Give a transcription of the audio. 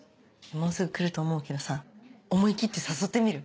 もうすぐ来ると思うけどさ思い切って誘ってみる？